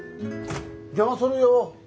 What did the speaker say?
邪魔するよ。